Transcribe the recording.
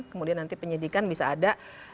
kemudian nanti penyidikan bisa ada